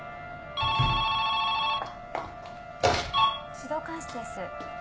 ☎指導官室です。